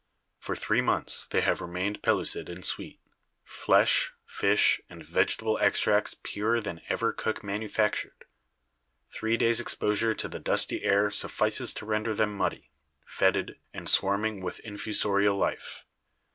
For three months they have remained pellucid and sweet — flesh, fish and vegetable extracts purer than ever cook manufactured. Three days' exposure to the dusty air suffices to render them muddy, fetid and swarm ing with infusorial life.